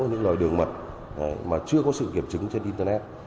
những loài đường mật mà chưa có sự kiểm chứng trên internet